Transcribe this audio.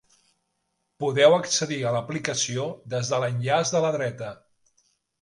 Podeu accedir a l'aplicació des de l'enllaç de la dreta.